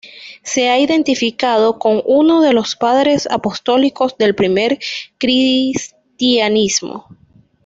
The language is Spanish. Se ha identificado con uno de los padres apostólicos del primer cristianismo.